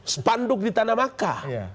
sepanduk di tanah maka